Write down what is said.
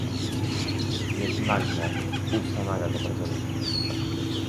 Jednakże ustanawia to precedens